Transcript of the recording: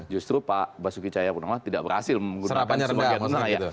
justru pak basuki cahaya purnama tidak berhasil menggunakan sebagiannya